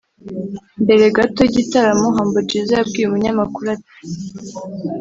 Mbere gato y’igitaramo Humble Jizzo yabwiye umunyamakuru ati